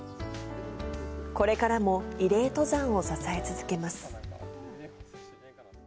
これからも慰霊登山を支え続けます。